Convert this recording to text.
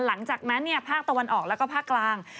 หลังจากนั้นภาคตะวันออกแล้วก็ภาคกลาง